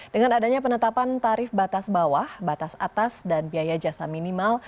dengan adanya penetapan tarif batas bawah batas atas dan biaya jasa minimal